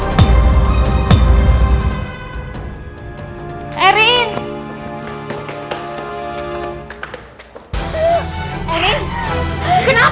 kamu bisa kehajuan wih udah